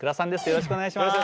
よろしくお願いします。